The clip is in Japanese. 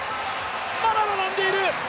まだ並んでいる。